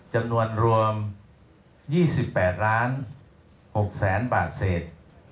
จำนวนรวม๒๘๖๐๐๐บาทเศษ